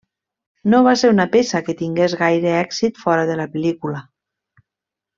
No va ser una peça que tingués gaire èxit fora de la pel·lícula.